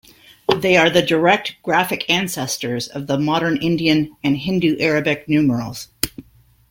They are the direct graphic ancestors of the modern Indian and Hindu-Arabic numerals.